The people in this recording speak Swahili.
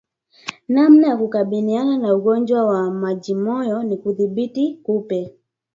Namna ya kukabiliana na ugonjwa wa majimoyo ni kudhibiti kupe